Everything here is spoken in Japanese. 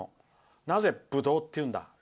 なぜ、ぶどうっていうんだ。